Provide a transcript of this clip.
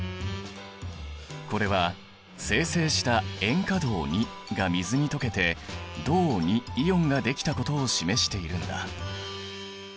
これは生成した塩化銅が水に溶けて銅イオンができたことを示しているんだ。